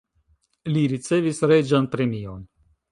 Li ricevis reĝan premion.